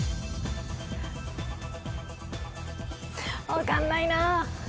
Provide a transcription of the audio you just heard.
分かんないな。